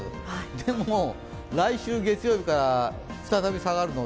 でも、来週月曜日から再び下がるの